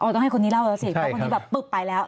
ต้องให้คนนี้เล่าแล้วสิเพราะคนนี้แบบปุ๊บไปแล้ว